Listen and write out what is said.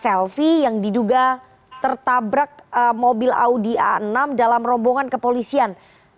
selfie yang diduga tertabrak mobil audi a enam dalam rombongan kepolisian